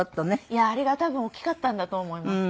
いやあれが多分大きかったんだと思います。